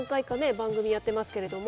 番組やってますけれども。